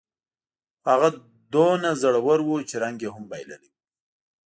خو هغه دومره زوړ و، چې رنګ یې هم بایللی و.